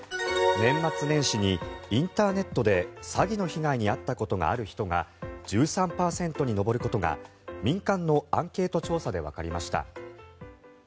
年末年始にインターネットで詐欺の被害に遭ったことがある人が１３％に上ることが民間のアンケート調査でわかりました。